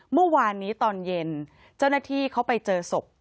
เมื่อวานนี้ตอนเย็นเจ้าหน้าที่เขาไปเจอศพ